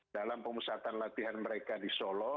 dalam pemusatan latihan mereka di solo